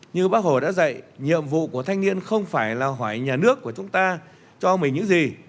như bác hồ đã dạy nhiệm vụ của thanh niên không phải là hỏi nhà nước của chúng ta cho mình những gì